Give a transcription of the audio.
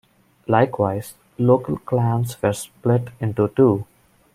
Likewise, local clans were split into two.